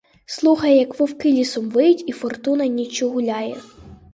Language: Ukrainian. Слухає, як вовки лісом виють і фортуна ніччю гуляє.